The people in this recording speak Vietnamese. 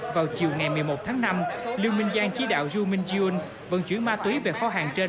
vào chiều ngày một mươi một tháng năm lưu minh giang chỉ đạo xu ming ziun vận chuyển ma túy về kho hàng trên